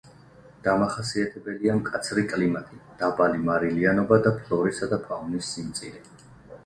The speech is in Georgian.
დამახასიათებელია მკაცრი კლიმატი, დაბალი მარილიანობა და ფლორისა და ფაუნის სიმწირე.